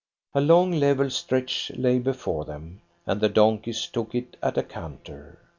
A long, level stretch lay before them, and the donkeys took it at a canter.